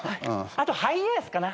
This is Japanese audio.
あとハイエースかな。